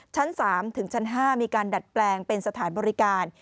ชั้น๓ถึงชั้น๕มีการดัดแปลงเป็นสถานบริการ